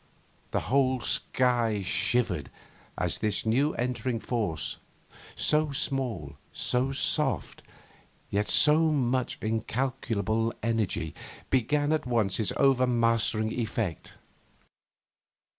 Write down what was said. The whole sky shivered, as this new entering force, so small, so soft, yet of such incalculable energy, began at once its overmastering effect.